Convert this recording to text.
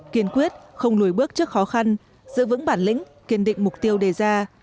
kiên quyết không lùi bước trước khó khăn giữ vững bản lĩnh kiên định mục tiêu đề ra